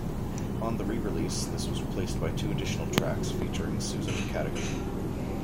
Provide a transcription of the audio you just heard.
On the re-release, this was replaced by two additional tracks featuring Susan Cadogan.